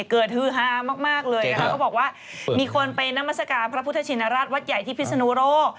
ฮือฮามากเลยนะคะเขาบอกว่ามีคนไปนามัศกาลพระพุทธชินราชวัดใหญ่ที่พิศนุโลก